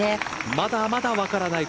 まだまだ分からない